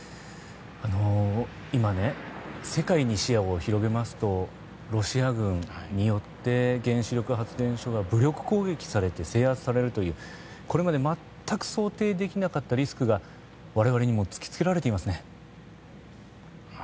今世界に視野を広めますとロシア軍によって原子力発電所が武力攻撃を受けて制圧されるというこれまで全く想定できなかったリスクが我々にも突きつけられていますね。